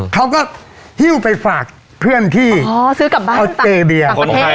เขาก็ฮิ้วไปฝากเพื่อนที่ออสเตรเลีย